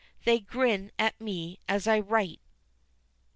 They grin at me as I write.